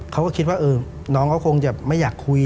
เขาก็คิดว่าน้องเขาคงจะไม่อยากคุย